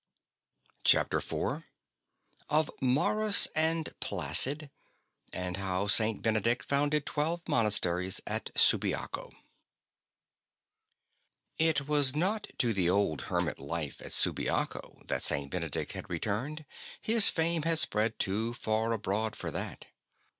CHAPTER IV OF MAURUS AND PLACID, AND HOW SAINT BENEDICT FOUNDED TWELVE MONASTERIES AT SUBIACO It was not to the old hermit Hfe at Subiaco that St. Benedict had returned, his fame had spread too far abroad for that.